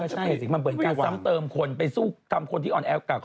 ก็ใช่มันเป็นการซ้ำเติมคนไปสู้กับคนที่อ่อนแอวกับ